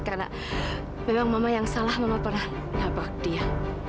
karena memang mama yang salah mama pernah nabrak dia